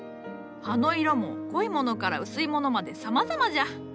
葉の色も濃いものから薄いものまでさまざまじゃ。